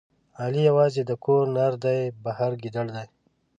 علي یوازې د کور نردی، بهر ګیدړ دی.